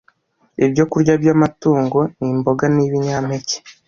Ibyokurya by’amatungo ni imboga n’ibinyampeke